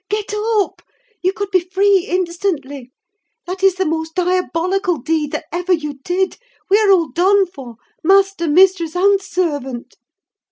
Get up! You could be free instantly. That is the most diabolical deed that ever you did. We are all done for—master, mistress, and servant."